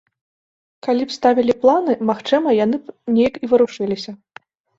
Калі б ставілі планы, магчыма, яны б неяк і варушыліся.